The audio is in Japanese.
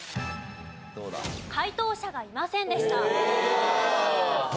解答者がいませんでした。